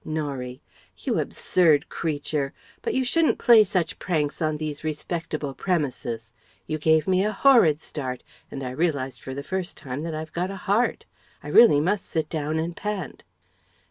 Norie: "You absurd creature! But you shouldn't play such pranks on these respectable premises. You gave me a horrid start, and I realized for the first time that I've got a heart. I really must sit down and pant."